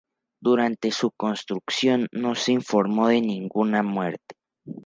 Durante su construcción no se informó de ninguna muerte.